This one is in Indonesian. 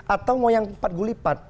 atau mau yang empat gulipat